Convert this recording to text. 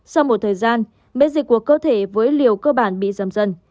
sau một thời gian biến dịch của cơ thể với liều cơ bản bị giầm dân